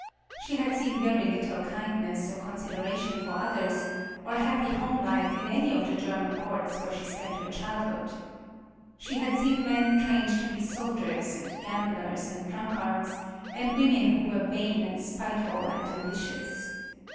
She had seen very little kindness, or consideration for others, or happy home life in any of the German courts where she spent her childhood. She had seen men trained to be soldiers and gamblers and drunkards, and women who were vain and spiteful and ambitious.